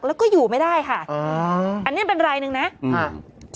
แล้วก็อยู่ไม่ได้ค่ะอ่าอันเนี้ยเป็นรายหนึ่งนะอืม